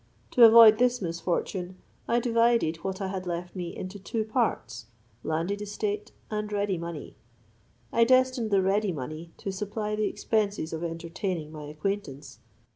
To avoid this misfortune, I divided what I had left me into two parts, landed estate and ready money. I destined the ready money to supply the expenses of entertaining my acquaintance.